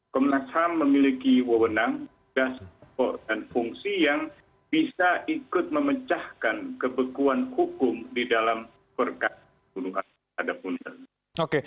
komnas ham memiliki wawenang dasar dan fungsi yang bisa ikut memecahkan kebekuan hukum di dalam berkas pembunuhan